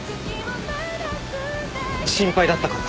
心配だったから。